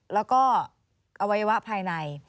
แล้วก็อวัยวะภายใน